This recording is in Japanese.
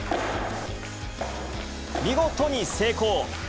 見事に成功。